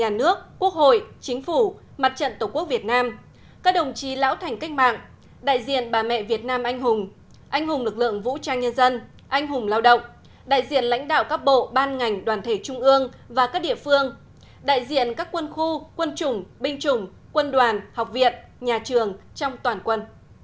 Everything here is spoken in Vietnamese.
anh hùng lực lượng vũ trang nhân dân anh hùng lao động đại diện lãnh đạo các bộ ban ngành đoàn thể trung ương và các địa phương đại diện các quân khu quân chủng binh chủng quân đoàn học viện nhà trường trong toàn quân